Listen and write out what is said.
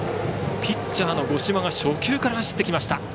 ピッチャーの五島が初球から走ってきました。